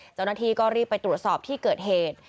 เจ้าหน้าที่ก็รีบไปตรวจสอบที่เกิดเหตุ